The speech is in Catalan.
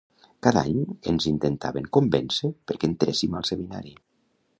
Cada any ens intentaven convèncer perquè entréssim al seminari